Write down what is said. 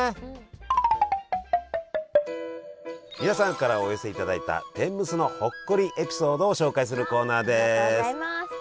皆さんからお寄せいただいた天むすのほっこりエピソードを紹介するコーナーです。